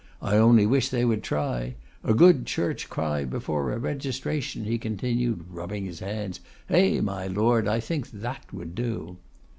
I only wish they would try! A good Church cry before a registration,' he continued, rubbing his hands; 'eh, my Lord, I think that would do.